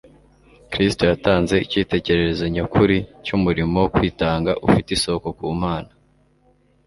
Kristo yatanze icyitegererezo nyakuri cy'umurimo wo kwitanga ufite isoko ku Mana.